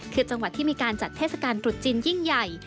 คือจังหวัดที่มีการจัดเทศกาลตรุษจีนยิ่งใหญ่